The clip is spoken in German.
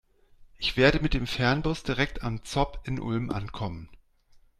Ich werde mit dem Fernbus direkt am ZOB in Ulm ankommen.